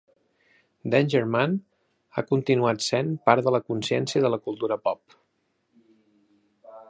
"Danger Man" ha continuat sent part de la consciència de la cultura pop.